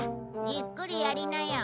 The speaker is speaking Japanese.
じっくりやりなよ。